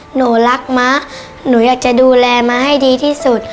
หนูรักมะหนูอยากจะดูแลมะให้ดีที่สุด